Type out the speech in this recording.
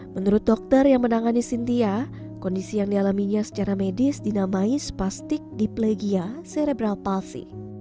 menurut dokter yang menangani sintia kondisi yang dialaminya secara medis dinamai spastik diplegia serebral palsi